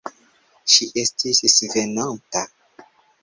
Ŝi estis svenanta.